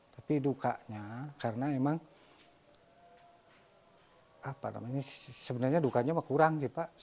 tapi dukanya sebenarnya dukanya kurang